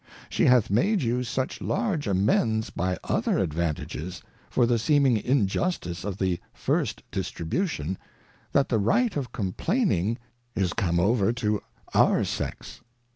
She hath made you such large Amends by other Advantages, for the seeming Injustice of the first Distribution, that the Right of Complain ing is come over to our Sex.